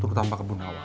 turut tampak ke bu nawang